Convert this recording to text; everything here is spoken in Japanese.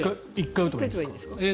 １回打てばいいんですか？